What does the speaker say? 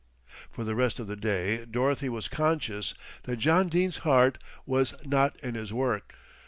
For the rest of the day Dorothy was conscious that John Dene's heart was not in his work.